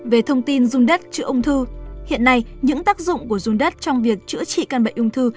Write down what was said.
về thông tin dung đất chữa ung thư hiện nay những tác dụng của run đất trong việc chữa trị căn bệnh ung thư